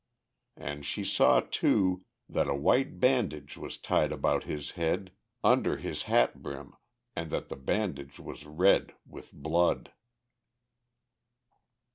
And she saw, too, that a white bandage was tied about his head, under his hat brim, and that the bandage was red with blood.